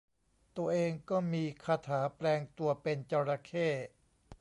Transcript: ตัวเองก็มีคาถาแปลงตัวเป็นจระเข้